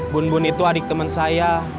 bun bun itu adik teman saya